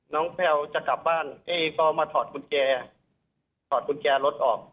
น้องแพลล์จะกลับบ้านเฮ้ยก็มาถอดคุณแก่ถอดคุณแก่รถออก